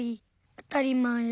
あたりまえ。